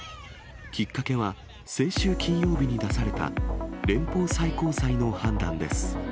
きっかけは、先週金曜日に出された連邦最高裁の判断です。